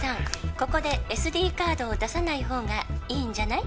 ここでＳＤカードを出さないほうがいいんじゃない？」